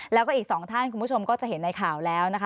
แล้วก็อีกสองท่านคุณผู้ชมก็จะเห็นในข่าวแล้วนะคะ